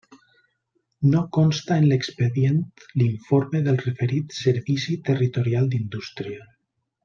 No consta en l'expedient l'informe del referit Servici Territorial d'Indústria.